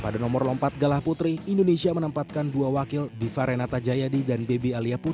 diva renata jayadi